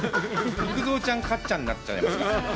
幾三ちゃん、かっちゃんになっちゃいます。